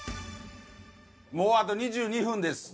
もうあと２２分です。